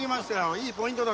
いいポイントだ